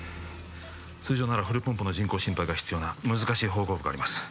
通常ならフルポンプの人工心肺が必要な難しい縫合部があります